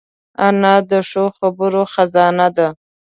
انا د ښو خبرو خزانه ده